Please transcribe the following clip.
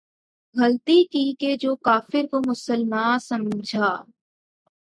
غلطی کی کہ جو کافر کو مسلماں سمجھا